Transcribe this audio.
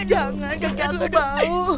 jangan kaki aku bau